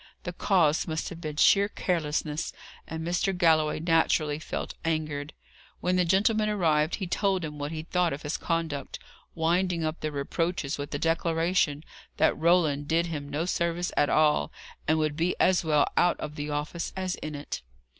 The cause must have been sheer carelessness, and Mr. Galloway naturally felt angered. When the gentleman arrived, he told him what he thought of his conduct, winding up the reproaches with a declaration that Roland did him no service at all, and would be as well out of the office as in it.